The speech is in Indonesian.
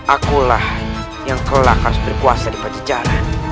akulah yang telah harus berkuasa di pajajaran